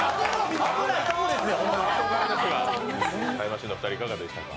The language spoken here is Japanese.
危ないとこですよ。